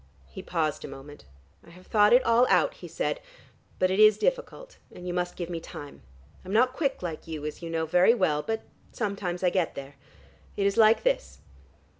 He paused a moment. "I have thought it all out," he said, "but it is difficult, and you must give me time. I'm not quick like you as you know very well, but sometimes I get there. It is like this."